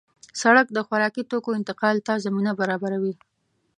سړک د خوراکي توکو انتقال ته زمینه برابروي.